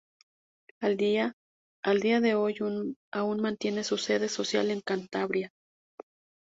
A día de hoy aún mantiene su sede social en Cantabria.